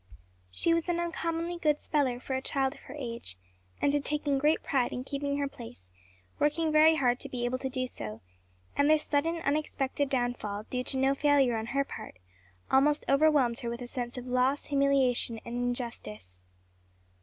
She was an uncommonly good speller for a child of her age, and had taken great pride in keeping her place, working very hard to be able to do so; and this sudden, unexpected downfall, due to no failure on her part, almost overwhelmed her with a sense of loss, humiliation and injustice.